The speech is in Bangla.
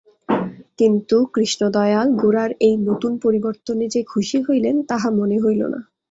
কিন্তু কৃষ্ণদয়াল গোরার এই নূতন পরিবর্তনে যে খুশি হইলেন তাহা মনে হইল না।